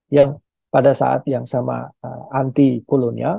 yang pada saat yang sama anti kolonial